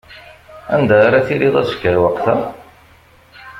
Anda ara tiliḍ azekka lweqt-a?